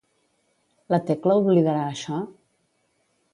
La Tecla oblidarà això?